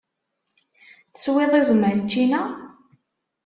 Teswiḍ iẓem-a n ccina?